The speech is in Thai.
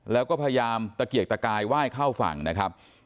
แล้วก็พยายามตะเกียกตะกายไหว้เข้าฝั่งนะครับ